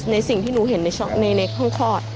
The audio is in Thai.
ในสิ่งที่หนูเห็นในห้องคลอด